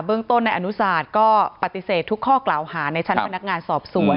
ต้นในอนุศาสตร์ก็ปฏิเสธทุกข้อกล่าวหาในชั้นพนักงานสอบสวน